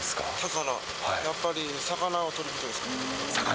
やっぱり魚を取ることで魚？